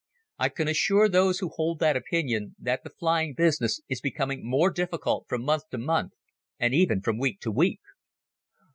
I can assure those who hold that opinion that the flying business is becoming more difficult from month to month and even from week to week.